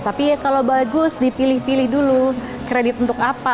tapi kalau bagus dipilih pilih dulu kredit untuk apa